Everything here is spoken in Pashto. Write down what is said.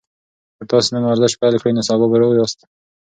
که تاسي نن ورزش پیل کړئ نو سبا به روغ یاست.